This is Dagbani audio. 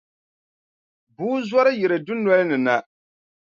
Bua zɔri yiri dundolini na.